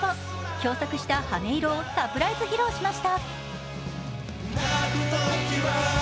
共作した「羽音色」をサプライズ披露しました。